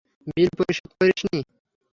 বিল পরিশোধ করিসনি?